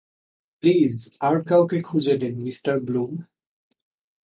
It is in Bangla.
প্লিজ আর কাউকে খুঁজে নিন মিঃ ব্লুম।